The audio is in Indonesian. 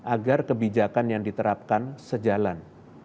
agar kebijakan yang diterapkan sejalan